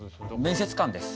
面接官です。